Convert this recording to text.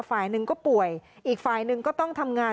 ฝ่ายหนึ่งก็ป่วยอีกฝ่ายหนึ่งก็ต้องทำงาน